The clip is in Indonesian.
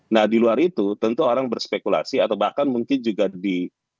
nah di luar itu tentu orang berspekulasi atau bahkan mungkin juga di